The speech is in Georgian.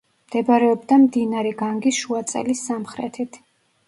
მდებარეობდა მდინარე განგის შუა წელის სამხრეთით.